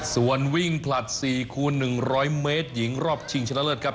ส่วนวิ่งผลัด๔คูณ๑๐๐เมตรหญิงรอบชิงชนะเลิศครับ